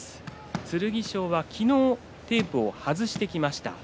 剣翔は昨日テープを外してきました。